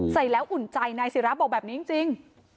ใส่แล้วอุ่นใจนายศิราบอกแบบนี้จริง